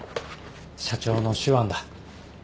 社長の手腕だ。